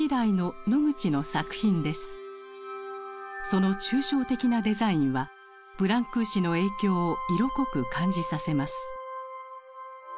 その抽象的なデザインはブランクーシの影響を色濃く感じさせます。